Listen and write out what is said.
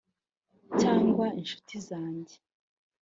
Cyangwa inshuti zanjye